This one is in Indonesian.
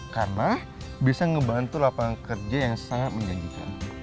karena bisa membantu lapangan kerja yang sangat menjanjikan